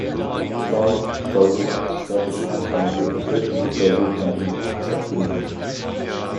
The current Gurgel has nothing in common with original Gurgel company, except the name.